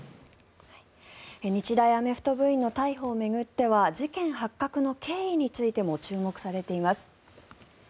日大アメフト部員の逮捕を巡っては事件発覚の経緯についても注目されています。